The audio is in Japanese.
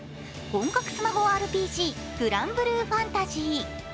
本格スマホＲＰＧ「グランブルーファンタジー」。